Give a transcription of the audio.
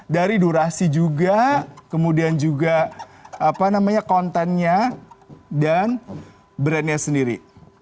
dari durasi juga kemudian juga apa namanya kontennya dan brand nya sendiri